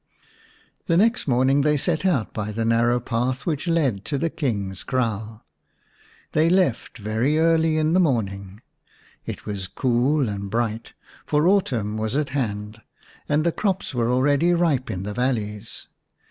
The next morning they set out by the narrow path which led to the King's kraal. They left very early in the morning : it was cool and bright, for autumn was at hand, and the crops were already ripe in the valleys.